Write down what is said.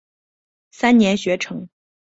三年学成。